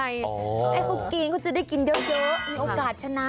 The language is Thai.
อ๋อไอ้ครูกรีนก็จะได้กินเยอะมีโอกาสชนะ